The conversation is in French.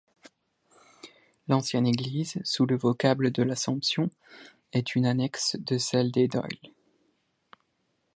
L'ancienne église, sous le vocable de l'Assomption, est une annexe de celle d'Aydoilles.